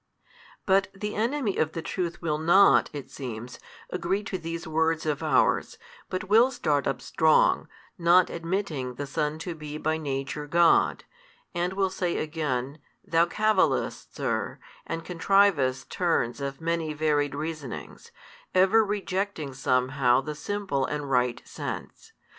|191 But the enemy of the truth will not (it seems) agree to these words of ours, but will start up strong, not admitting the Son to be by Nature God: and will say again, Thou cavillest, sir, and contrivest turns of many varied reasonings, ever rejecting somehow the simple and right sense.